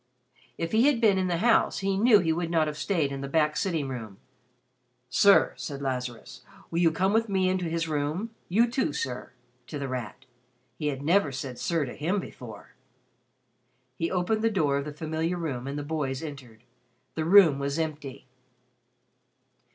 If he had been in the house, he knew he would not have stayed in the back sitting room. "Sir," said Lazarus, "will you come with me into his room? You, too, sir," to The Rat. He had never said "sir" to him before. He opened the door of the familiar room, and the boys entered. The room was empty.